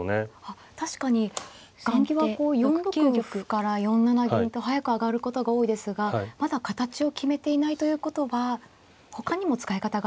確かに雁木は４六歩から４七銀と早く上がることが多いですがまだ形を決めていないということはほかにも使い方がありますか。